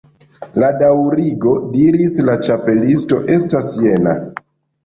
"La daŭrigo," diris la Ĉapelisto, "estas jena.